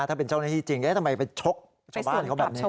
ถ้าเป็นเจ้าหน้าที่จริงทำไมไปชกชาวบ้านเขาแบบนี้